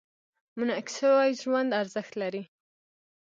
منعکس شوي ژوند ارزښت لري.